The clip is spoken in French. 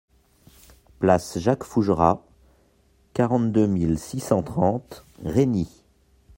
Place Jacques Fougerat, quarante-deux mille six cent trente Régny